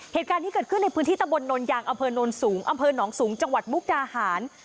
เหตุการณ์นี้เกิดขึ้นในพื้นที่ตะบนโนนยางอำเภอโนนสูงอำเภอหนองสูงจังหวัดมุกดาหาร